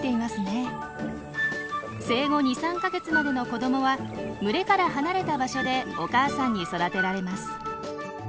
生後２３か月までの子どもは群れから離れた場所でお母さんに育てられます。